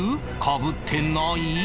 かぶってない？